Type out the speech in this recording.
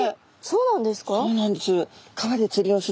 そうなんです。